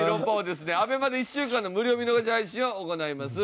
ＡＢＥＭＡで１週間の無料見逃し配信を行います。